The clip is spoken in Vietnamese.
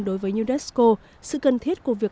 đối với unesco sự cần thiết của việc